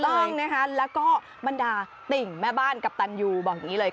ต้องนะคะแล้วก็บรรดาติ่งแม่บ้านกัปตันยูบอกอย่างนี้เลย